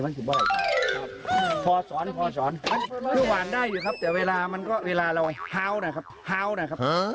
พอสอนพอสอนคือหวานได้อยู่ครับแต่เวลามันก็เวลาเราฮาวนะครับฮาวนะครับ